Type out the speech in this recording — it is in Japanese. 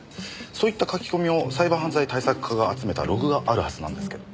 そういった書き込みをサイバー犯罪対策課が集めたログがあるはずなんですけど。